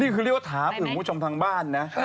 นี่คือเรียกว่าถามอื่นผู้ชมทางบ้านนะ